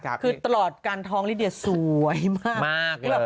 คือตลอดการท้องลิเดียสวยมาก